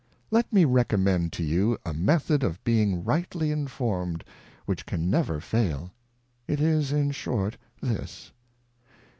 Let me recommend to you a Method of being rightly in form 'd, which can never fail : It is in short this.